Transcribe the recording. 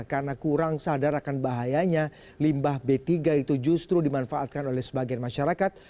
karena kurang sadar akan bahayanya limbah b tiga itu justru dimanfaatkan oleh sebagian masyarakat